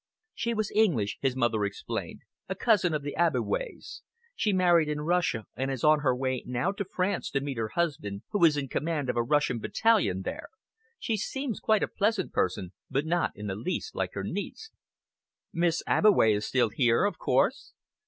"She was English," his mother explained, "a cousin of the Abbeways. She married in Russia and is on her way now to France to meet her husband, who is in command of a Russian battalion there. She seems quite a pleasant person, but not in the least like her niece." "Miss Abbeway is still here, of course?"